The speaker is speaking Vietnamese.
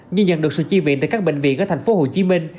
như nhận được sự chi viện từ các bệnh viện ở thành phố hồ chí minh